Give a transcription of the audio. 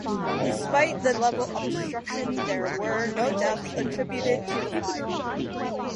Despite the level of destruction, there were no deaths attributed to the fire.